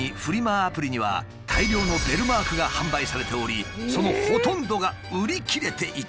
アプリには大量のベルマークが販売されておりそのほとんどが売り切れていた。